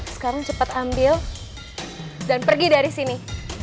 sekarang cepat ambil dan pergi dari sini